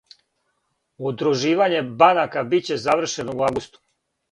Удруживање банака биће завршено у августу.